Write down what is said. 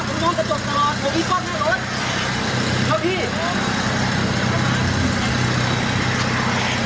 ความทนดำก็ผมได้ต่างพี่พอพี่ที่ถูกเขา